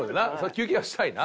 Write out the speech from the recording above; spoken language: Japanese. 休憩はしたいな。